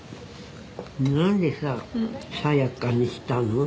何でさ「さやか」にしたの？